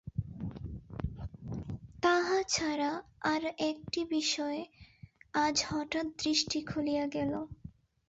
তাহা ছাড়া আর একটি বিষয়ে আজ হঠাৎ দৃষ্টি খুলিয়া গেল।